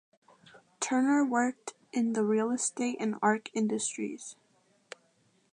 Turner worked in the real estate and art industries.